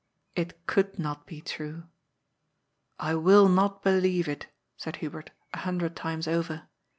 It could not be true. " I will not believe it," said Hu bert, a hundred times over.